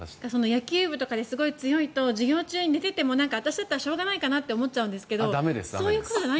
野球部とかですごい強いと授業中寝ていても私だったらしょうがないかなと思うんですけどそういうことじゃない？